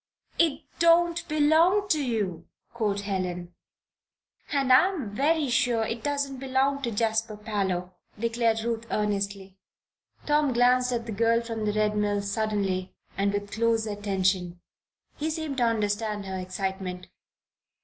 "It don't belong to you," quoth Helen. "And I'm very sure it doesn't belong to Jasper Parloe," declared Ruth, earnestly. Tom glanced at the girl from the Red Mill suddenly, and with close attention. He seemed to understand her excitement.